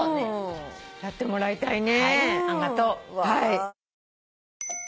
やってもらいたいね。